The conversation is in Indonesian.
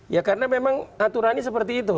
ya karena memang aturannya seperti itu